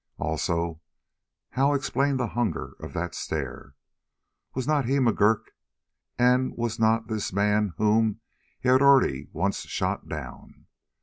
Also, how explain the hunger of that stare? Was not he McGurk, and was not this man whom he had already once shot down?